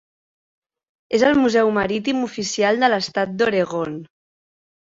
És el Museu Marítim oficial de l'estat d'Oregon.